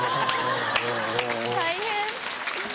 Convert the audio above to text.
大変！